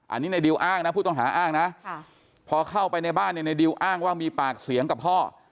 อันนี้ในดิวอ้างนะผู้ต้องหาอ้างนะพอเข้าไปในบ้านเนี่ยในดิวอ้างว่ามีปากเสียงกับพ่อ